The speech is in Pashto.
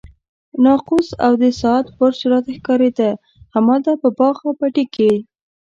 ناقوس او د ساعت برج راته ښکارېده، همالته په باغ او پټي کې.